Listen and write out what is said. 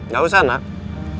gak usah nak